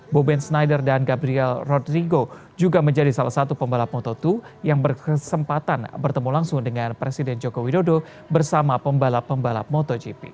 boben snyder dan gabriel rodrigo juga menjadi salah satu pembalap moto dua yang berkesempatan bertemu langsung dengan presiden joko widodo bersama pembalap pembalap motogp